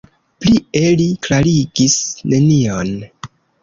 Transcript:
Plie li klarigis nenion.